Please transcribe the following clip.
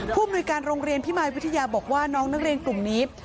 ผู้อำนวยการโรงเรียนพิมายวิทยาบอกว่าน้องนักเรียนกลุ่มนี้